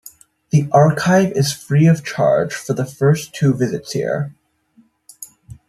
The archive is free of charge for the first two visits here.